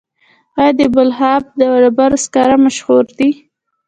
آیا د بلخاب د ډبرو سکاره مشهور دي؟